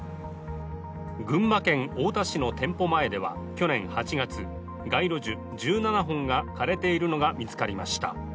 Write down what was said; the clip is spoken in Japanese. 群馬県太田市の店舗前では去年８月、街路樹１７本が枯れているのが見つかりました。